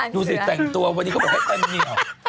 ดูสิแต่งตัววันนี้ก็ไม่ให้เป็นเหนียว